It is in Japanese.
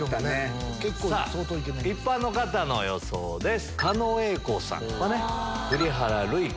一般の方の予想です。